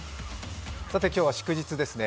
今日は祝日ですね。